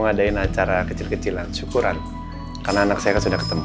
ngadain acara kecil kecilan syukuran karena anak saya kan sudah ketemu